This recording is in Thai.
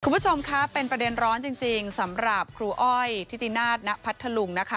คุณผู้ชมคะเป็นประเด็นร้อนจริงสำหรับครูอ้อยทิตินาศณพัทธลุงนะคะ